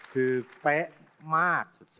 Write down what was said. คือเป๊ะมากสุด